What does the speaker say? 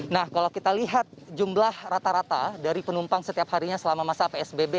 nah kalau kita lihat jumlah rata rata dari penumpang setiap harinya selama masa psbb